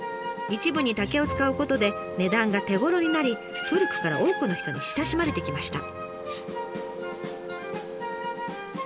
一部に竹を使うことで値段が手頃になり古くから多くの人に親しまれてきました。